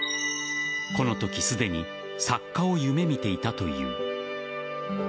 このときすでに作家を夢見ていたという。